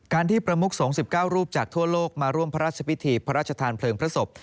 ที่ประมุกสงฆ์๑๙รูปจากทั่วโลกมาร่วมพระราชพิธีพระราชทานเพลิงพระศพ